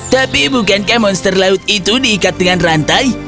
tapi bukankah monster laut itu diikat dengan rantai